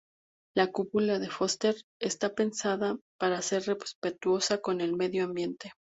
La cúpula de Foster está pensada para ser respetuosa con el medio ambiente.